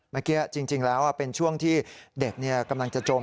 จริงแล้วเป็นช่วงที่เด็กกำลังจะจม